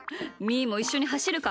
ーもいっしょにはしるか？